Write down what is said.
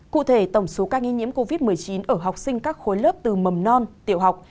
cụ thể tổng số ca nghi nhiễm covid một mươi chín ở học sinh các khối lớp từ mầm non tiểu học